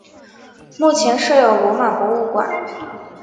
目前设有罗马博物馆。